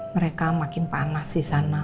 mereka makin panas di sana